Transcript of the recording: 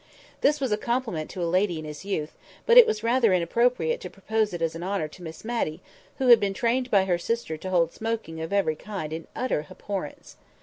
This was a compliment to a lady in his youth; but it was rather inappropriate to propose it as an honour to Miss Matty, who had been trained by her sister to hold smoking of every kind in utter abhorrence.